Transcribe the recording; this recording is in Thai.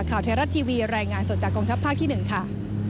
ข่าวไทยรัฐทีวีรายงานสดจากกองทัพภาคที่๑ค่ะ